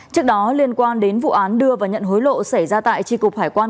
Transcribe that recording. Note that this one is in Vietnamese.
trước đó liên quan đến vụ án đưa và nhận hối lộ xảy ra tại tri cục hải quan